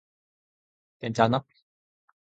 괜찮나?